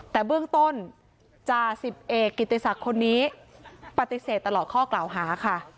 แต่เบื้องต้นจ่าสิบเอกกิติศักดิ์คนนี้ปฏิเสธตลอดข้อกล่าวหาค่ะ